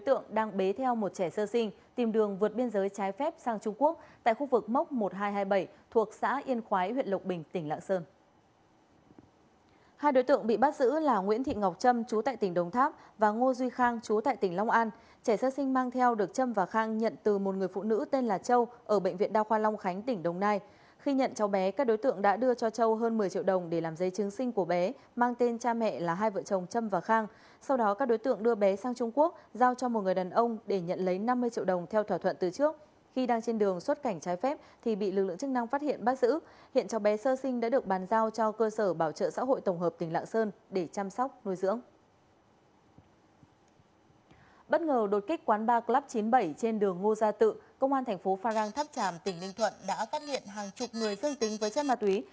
trong lúc đầu đột kích quán ba club chín mươi bảy trên đường ngô gia tự công an thành phố phan rang tháp tràm tỉnh ninh thuận đã phát hiện hàng chục người dương tính với chất ma túy